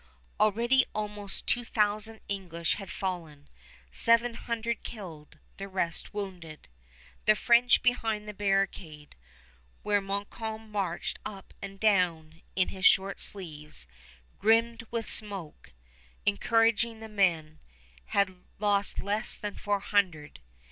Already almost two thousand English had fallen, seven hundred killed, the rest wounded. The French behind the barricade, where Montcalm marched up and down in his shirt sleeves, grimed with smoke, encouraging the men, had lost less than four hundred.